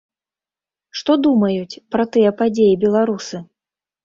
Што думаюць пра тыя падзеі беларусы?